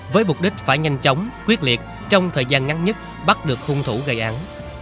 với mục đích phải nhanh chóng quyết liệt trong thời gian ngắn nhất bắt được hung thủ gây án